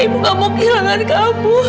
ibu gak mau kehilangan kamu